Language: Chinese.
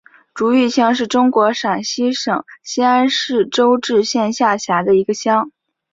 竹峪乡是中国陕西省西安市周至县下辖的一个乡。